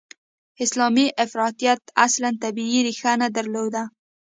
اسلامي افراطیت اصلاً طبیعي ریښه نه درلوده.